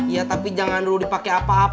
iya tapi jangan dulu dipakai apa apa atutis pak